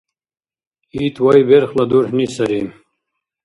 Ит вайберхла дурхӏни сари.